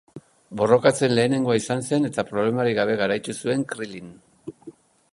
Borrokatzen lehenengoa izan zen eta problemarik gabe garaitu zuen Krilin.